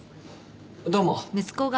どうも。